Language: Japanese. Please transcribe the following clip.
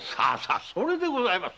それでございます。